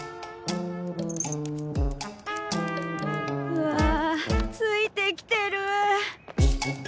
うわあついてきてる。